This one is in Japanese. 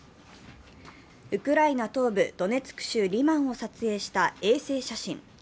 ウクライナ東部ドネツク州リマンを撮影した衛星写真。